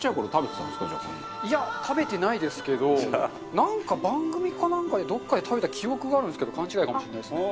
中丸：なんか番組かなんかで、どこかで食べた記憶があるんですけど勘違いかもしれないですね。